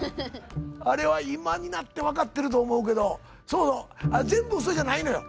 あれは今になって分かってると思うけどそうそう全部ウソじゃないのよ。